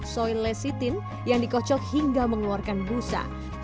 soy lecitin yang dikocok hingga mengeluarkan busa